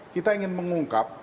kita ingin mengungkap